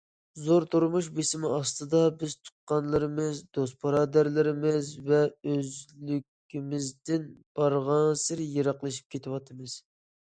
زور تۇرمۇش بېسىمى ئاستىدا، بىز تۇغقانلىرىمىز، دوست- بۇرادەرلىرىمىز ۋە ئۆزلۈكىمىزدىن بارغانسېرى يىراقلىشىپ كېتىۋاتىمىز.